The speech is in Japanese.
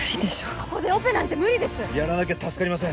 ここでオペなんて無理ですやらなきゃ助かりません